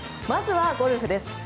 まずはゴルフです。